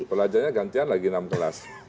pelajarnya gantian lagi enam kelas